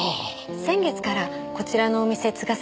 先月からこちらのお店継がせて頂いてます。